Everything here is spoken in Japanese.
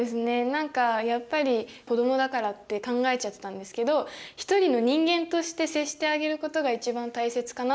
何かやっぱり子どもだからって考えちゃってたんですけど一人の人間として接してあげることが一番大切かなって今日学びました。